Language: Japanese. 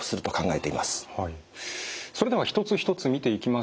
それでは一つ一つ見ていきましょうか。